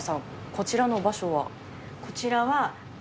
こちらの場所は？